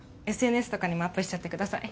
ＳＮＳとかにもアップしちゃってください。